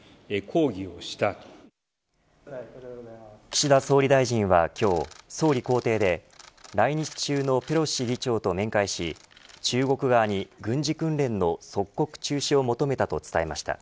岸田総理大臣は今日総理公邸で来日中のペロシ議長と面会し中国側に軍事訓練の即刻中止を求めたと伝えました。